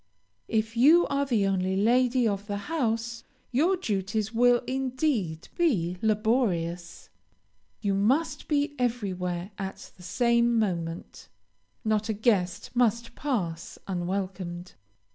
If you are the only lady of the house, your duties will, indeed, be laborious. You must be everywhere at the same moment. Not a guest must pass unwelcomed.